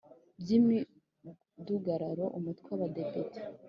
By’imidugararo, Umutwe w’Abadepite